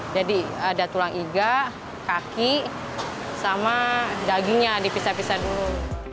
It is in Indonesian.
jadi ada tulang iga kaki sama dagingnya dipisah pisah dulu